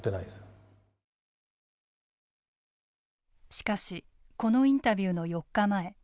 しかしこのインタビューの４日前。